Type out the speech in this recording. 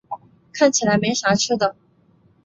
看起来没啥吃的